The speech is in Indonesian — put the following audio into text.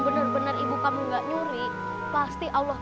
sudah mengundur nih allah